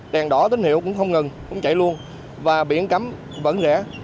đèn đỏ tín hiệu cũng không ngừng cũng chạy luôn và biển cắm vẫn rẽ